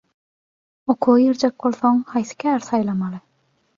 «Okuwa girjek bolsaň, haýsy käri saýlamaly?»